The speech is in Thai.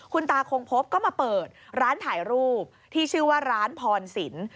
คุณตาคงพบก็มาเปิดร้านถ่ายรูปที่ชื่อว่าร้านพรสิน